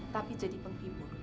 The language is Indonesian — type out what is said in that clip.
tapi jadi pengkibur